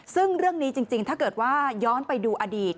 ซึ่งเรื่องนี้จริงถ้าเกิดว่าย้อนไปดูอดีต